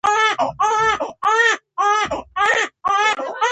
له پټاودو سره سمدستي یې زه ژوبل کړم، تا لاسي بمونه لیدلي؟